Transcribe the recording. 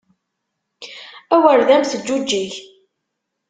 Awer d am teǧǧuǧeg!